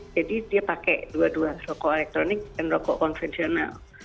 jadi dia pakai dua dua rokok elektronik dan rokok konvensional